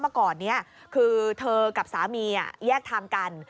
เมื่อก่อนนี้คือเธอกับสามีแยกทางกัน